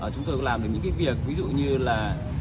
chúng tôi cũng làm được những cái việc ví dụ như là